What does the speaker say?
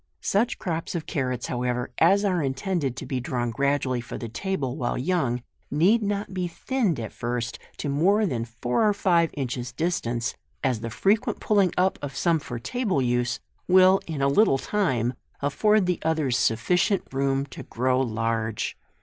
u Such crops of carrots, however, as are intended to be drawn gradually for the table while young, need not be thinned at first to more than four or five inches distance, as the frequent pulling up of some for table use, will in a little time afford the others sufficient room to grow large.